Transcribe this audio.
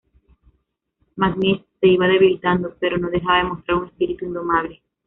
McNish se iba debilitando, pero no dejaba de mostar un "espíritu indomable".